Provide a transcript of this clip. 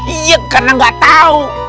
iya karena gak tahu